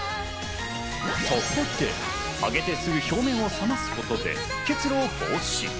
そこで上げてすぐ表面を冷ますことで結露を防止。